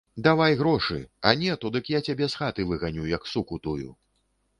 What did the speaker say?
Давай грошы, а не то, дык я цябе з хаты выганю, як суку тую.